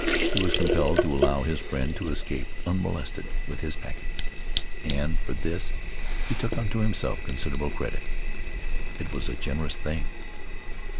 He was compelled to allow his friend to escape unmolested with his packet. And for this he took unto himself considerable credit. It was a generous thing.